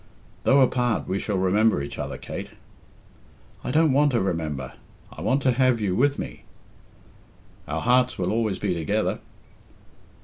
"Though apart, we shall remember each other, Kate." "I don't want to remember. I want to have you with me." "Our hearts will always be together."